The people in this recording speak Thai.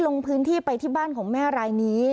ลงพื้นที่ไปที่บ้านของแม่รายนี้